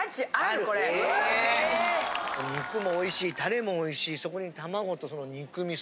肉もおいしいタレもおいしいそこに卵と肉味噌